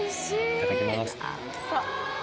いただきます。